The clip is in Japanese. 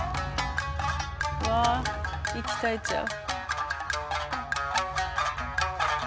うわ息絶えちゃう。